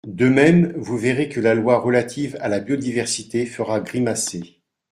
De même, vous verrez que la loi relative à la biodiversité fera grimacer.